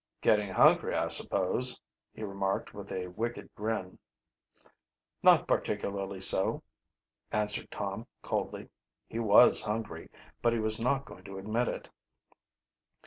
"Getting hungry, I suppose," he remarked, with a wicked grin. "Not particularly so," answered Tom coldly. He was hungry, but he was not going to admit it.